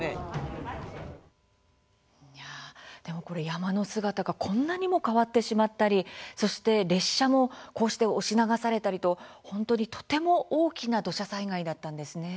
山の姿がこんなにも変わってしまったりそして列車もこうして押し流されたりと本当にとても大きな土砂災害だったんですね。